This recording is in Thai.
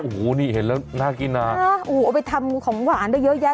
โอ้โหนี่เห็นแล้วน่ากินนะโอ้โหเอาไปทำของหวานได้เยอะแยะ